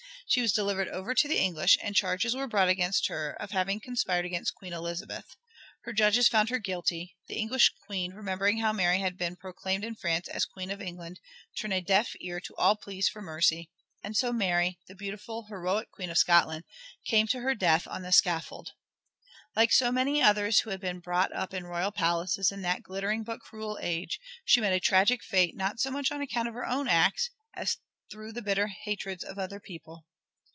She was delivered over to the English, and charges were brought against her of having conspired against Queen Elizabeth. Her judges found her guilty; the English Queen, remembering how Mary had been proclaimed in France as Queen of England, turned a deaf ear to all pleas for mercy, and so Mary, the beautiful, heroic Queen of Scotland, came to her death on the scaffold. Like so many others who had been brought up in royal palaces in that glittering but cruel age she met a tragic fate not so much on account of her own acts as through the bitter hatreds of other people.